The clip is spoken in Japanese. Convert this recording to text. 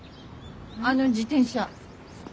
あの自転車。